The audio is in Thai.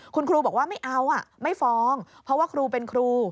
คุณครูบอกว่าไม่เอาไม่ฟ้องเพราะว่าครูเป็นครู